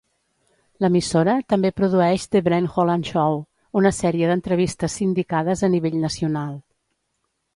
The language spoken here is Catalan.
L'emissora també produeix "The Brent Holland Show", una sèrie d'entrevistes sindicades a nivell nacional.